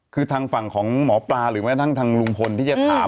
คือทางฝั่งของหมอปลาหรือแม้ทั้งทางลุงพลที่จะถาม